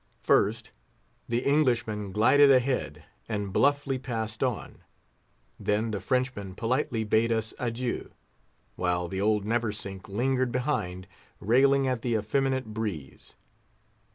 First, the Englishman glided ahead, and bluffly passed on; then the Frenchman politely bade us adieu, while the old Neversink lingered behind, railing at the effeminate breeze.